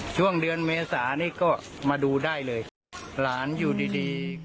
ช่วงเดือนเมษานี่ก็มาดูได้เลยหลานอยู่ดีดี